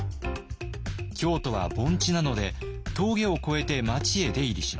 京都は盆地なので峠を越えて町へ出入りします。